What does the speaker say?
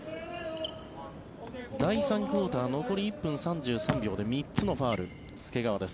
第３クオーター残り１分３３秒で３つのファウル、介川です。